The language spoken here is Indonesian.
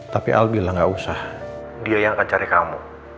tapi albila gak usah dia yang akan cari kamu